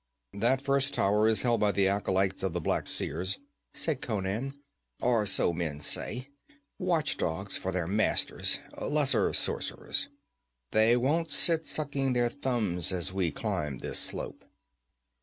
'That first tower is held by the acolytes of the Black Seers,' said Conan. 'Or so men say; watch dogs for their masters lesser sorcerers. They won't sit sucking their thumbs as we climb this slope.'